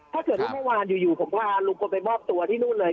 ถ้าเกิดที่เมื่อวานอยู่ผมก็พาลุงพลไปมอบตัวที่นู่นเลย